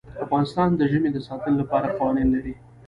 افغانستان د ژمی د ساتنې لپاره قوانین لري.